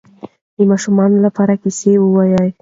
د ماشومانو لپاره کیسې ووایئ.